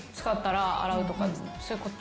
そういうこと。